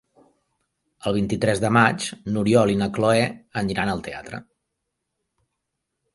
El vint-i-tres de maig n'Oriol i na Cloè aniran al teatre.